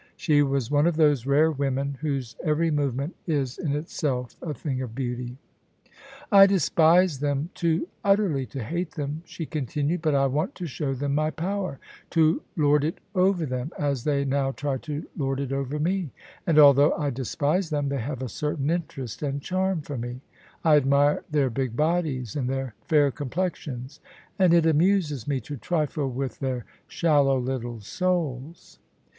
She was one of those rare women whose every movement is in itself a thing of beauty. OF ISABEL CARNABY " I despise them too utterly to hate them," she continued :" but I want to show them my power — to lord it over them as they now try to lord it over me. And, although I despise them, they have a certain interest and charm for me : I admire their big bodies and their fair complexions, and it amuses me to trifle with their shallow, little souls."